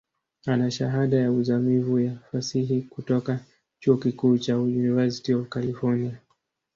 Ana Shahada ya uzamivu ya Fasihi kutoka chuo kikuu cha University of California.